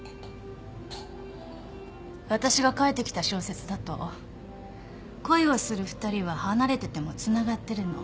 私が書いてきた小説だと恋をする２人は離れててもつながってるの。